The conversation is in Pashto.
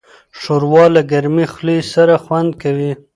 ښوروا له ګرمې خولې سره خوند کوي.